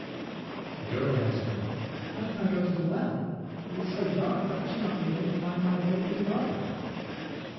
The girl answered, "How can I go to the well ? It is so dark that I shall not be able to find my way through the garden."